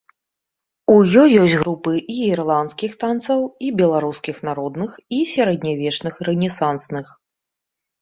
У ёй ёсць групы і ірландскіх танцаў, і беларускіх народных, і сярэднявечных рэнесансных.